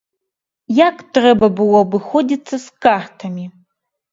Як трэба было абыходзіцца з картамі?